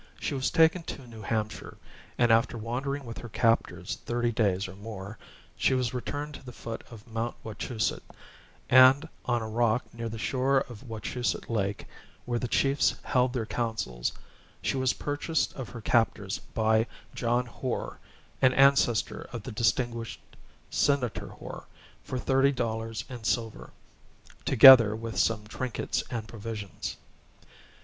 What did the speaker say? She was taken to New Hampshire, and after wandering with her captors thirty days or more, she was returned to the foot of Mount Wachusett; and on a rock near the shore of Wachusett Lake, where the chiefs held their councils, she was purchased of her captors by John Hoar, an ancestor of the distinguished Senator Hoar, for thirty dollars in silver, together with some trinkets and provisions.